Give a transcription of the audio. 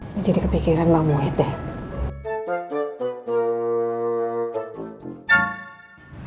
ini jadi kepikiran bang muhid deh